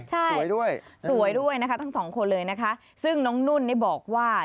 ใช่สวยด้วยทั้งสองคนเลยนะคะซึ่งน้องนุ่นนี่บอกว่า